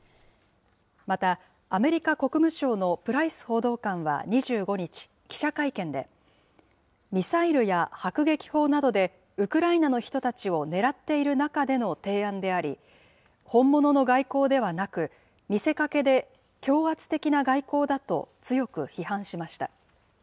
またアメリカ国務省のプライス報道官は２５日、記者会見で、ミサイルや迫撃砲などでウクライナの人たちを狙っている中での提案であり、本物の外交ではなく、見せかけで強圧的な外交だと強く批判しました。